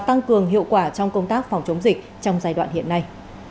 tăng cường hiệu quả trong công tác phòng chống dịch trong giai đoạn hiện nay